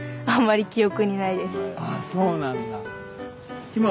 ああそうなんだ。